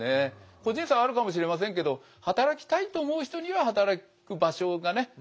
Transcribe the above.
個人差はあるかもしれませんけど働きたいと思う人には働く場所がね